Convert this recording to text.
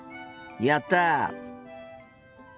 やった！